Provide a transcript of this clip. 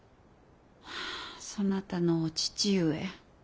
そなたのお父上。